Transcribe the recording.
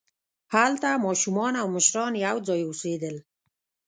هلته ماشومان او مشران یوځای اوسېدل.